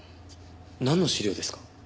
なんの資料ですか？